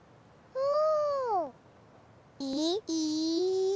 うん！